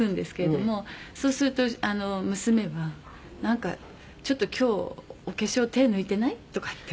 「そうすると娘は“なんかちょっと今日お化粧手抜いていない？”とかって」